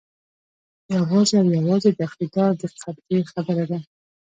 یوازې او یوازې د اقتدار د قبضې خبره ده.